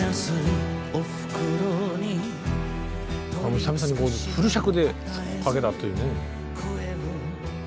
久々にフル尺でかけたというね。